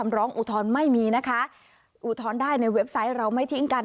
ร้องอุทธรณ์ไม่มีนะคะอุทธรณ์ได้ในเว็บไซต์เราไม่ทิ้งกัน